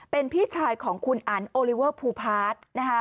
เป็นพี่ชายของคุณอันโอลิเวอร์ภูพาร์ทนะคะ